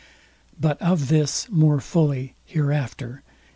But of this more fully hereafter.